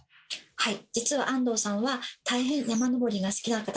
はい。